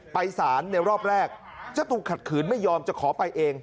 ไปสารในรอบแรกเจ้าตัวขัดขืนไม่ยอมจะขอไปเอง